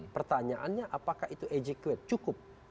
pertanyaannya apakah itu cukup